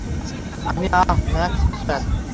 আমি, আহ, Max fisher.